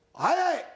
はい！